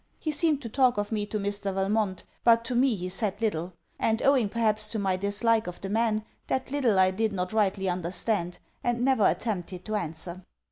He seemed to talk of me to Mr. Valmont; but to me he said little; and, owing perhaps to my dislike of the man, that little I did not rightly understand, and never attempted to answer.